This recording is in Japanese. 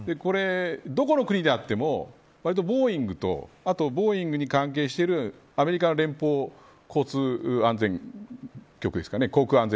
どこの国であってもわりと、ボーイングとボーイングに関係しているアメリカの連邦交通安全局ですかね。